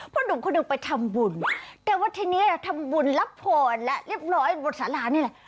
เพราะหนูคนนึงไปทำบุญแต่ว่าที่นี้ทำบุญรับผลแล้วเรียบร้อยบุษลานี่แหละ